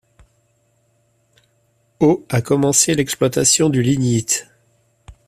Au a commencé l'exploitation du lignite.